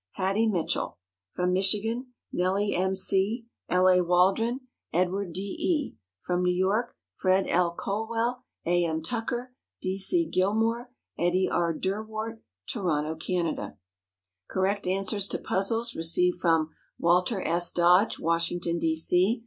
Hattie Mitchell; from Michigan Nellie M. C., L. A. Waldron, Edward D. E.; from New York Fred L. Colwell, A. M. Tucker, D. C. Gilmore; Eddie R. Derwart, Toronto, Canada. Correct answers to puzzles received from Walter S. Dodge, Washington, D. C.